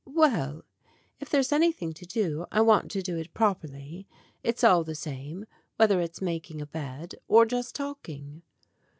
"Well, if there's anything to do, I want to do it properly it's all the same whether it's making a bed or just talking."